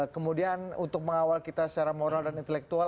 kemudian untuk mengawal kita secara moral dan intelektual